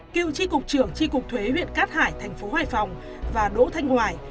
cựu tri cục trưởng tri cục thuế huyện cát hải thành phố hải phòng và đỗ thanh hoài